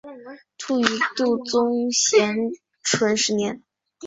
卒于度宗咸淳十年。